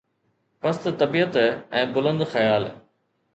پست طبيعت ۽ بلند خيال